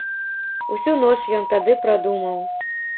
Усю ноч ён тады прадумаў.